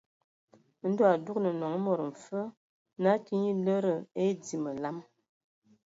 Ndɔ a adugan nɔŋ mod mfe naa a ke nye lədə a edzii məlam.